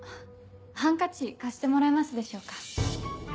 ハンカチ貸してもらえますでしょうか？